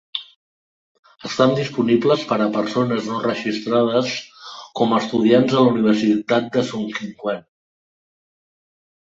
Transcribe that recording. Estan disponibles per a persones no registrades com estudiants a la Universitat de Sungkyunkwan.